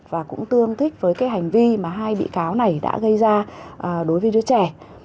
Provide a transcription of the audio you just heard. và cũng tương thích với cái hành vi mà hai bị cáo này đã gây ra đối với đứa trẻ